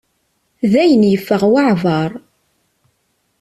Dayen yeffeɣ waɛbar.